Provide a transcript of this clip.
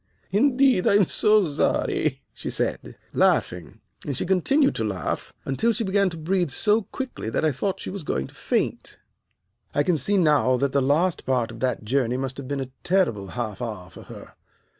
"'Indeed I am so sorry,' she said, laughing; and she continued to laugh until she began to breathe so quickly that I thought she was going to faint. "I can see now that the last part of that journey must have been a terrible half hour for her.